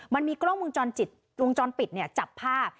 มันมีกล้องมือจรปิดจับภาพ